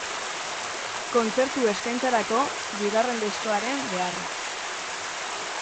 Kontzertu eskaintzarako, bigarren diskoaren beharra.